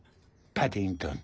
パディントン？